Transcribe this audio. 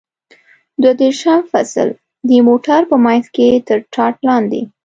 دوه دېرشم فصل: د موټر په منځ کې تر ټاټ لاندې.